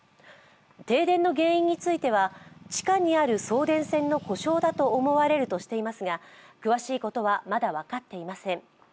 停電の原因については、地下にある送電線の故障だと思われるとしていますが詳しいことはまだ分かっていません。